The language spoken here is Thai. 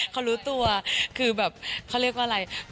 เขารู้ตัวคือแบบเขาเรียกว่าอะไร